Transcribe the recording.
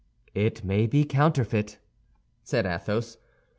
"It may be counterfeit," said Athos.